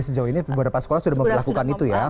sejauh ini beberapa sekolah sudah memperlakukan itu ya